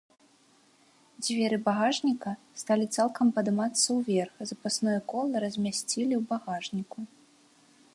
Дзверы багажніка сталі цалкам падымацца ўверх, запасное кола размясцілі ў багажніку.